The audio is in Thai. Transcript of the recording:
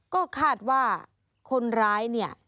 ก็คาดว่าคนร้ายเนี่ย